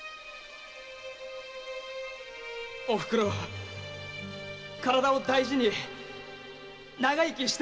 〔おふくろ身体を大事に長生きしてくれよ〕